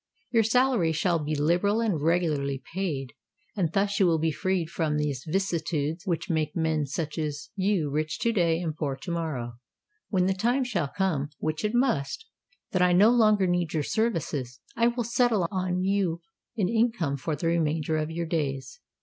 Your salary shall be liberal and regularly paid; and thus you will be freed from those vicissitudes which make such men as you rich to day and poor to morrow. When the time shall come—which it must—that I no longer need your services, I will settle on you an income for the remainder of your days.